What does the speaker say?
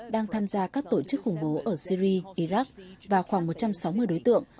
đang tham gia các tổ chức khủng bố ở syri iraq và khoảng một trăm sáu mươi đối tượng